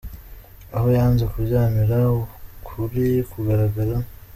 Aho yanze kuryamira ukuri kugaragara !